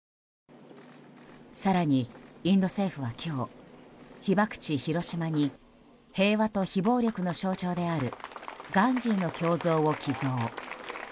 更に、インド政府は今日被爆地・広島に平和と非暴力の象徴であるガンジーの胸像を寄贈。